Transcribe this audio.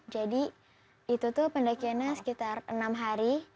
itu tuh pendakiannya sekitar enam hari